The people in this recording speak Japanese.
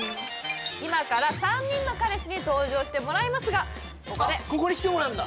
今から３人の彼氏に登場してもらいますがあっここに来てもらうんだ？